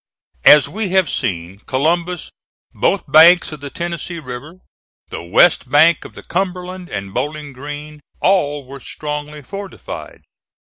As we have seen, Columbus, both banks of the Tennessee River, the west bank of the Cumberland and Bowling Green, all were strongly fortified.